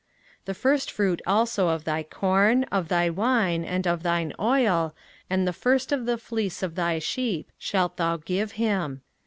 05:018:004 The firstfruit also of thy corn, of thy wine, and of thine oil, and the first of the fleece of thy sheep, shalt thou give him.